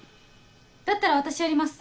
だったら私やります。